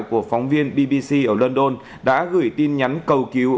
của phóng viên bbc ở london đã gửi tin nhắn cầu cứu